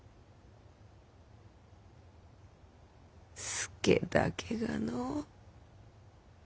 佐だけがの。